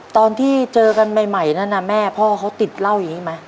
ตอนที่เจอกันใหม่นั่นน่ะแม่พ่อเขาติดเหล้าอย่างนี้ไหม